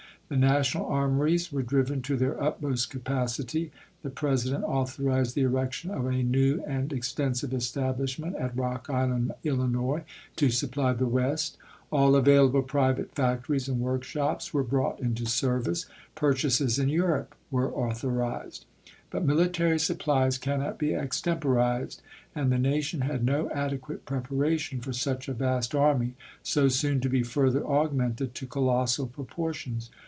The national n'., p. 646. ' armories were driven to their utmost capacity ; the President authorized the erection of a new and ex tensive establishment at Rock Island, Illinois, to supply the West ; all available private factories and workshops were brought into service ; purchases in Europe were authorized. But military supplies cannot be extemporized, and the nation had no adequate preparation for such a vast army, so soon to be further augmented to colossal proportions.